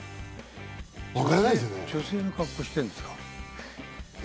女性の格好をしてるんですか？